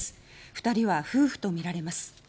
２人は夫婦とみられます。